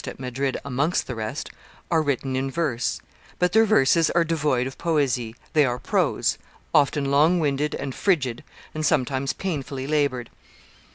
at Madrid amongst the rest, are written in verse; but their verses are devoid of poesy; they are prose, often long winded and frigid, and sometimes painfully labored.